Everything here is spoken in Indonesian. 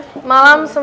kepok dia sama datoo